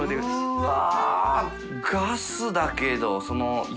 うわ！